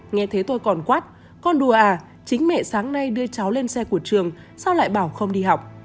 nghe thấy tôi còn quát con đùa à chính mẹ sáng nay đưa cháu lên xe của trường sao lại bảo không đi học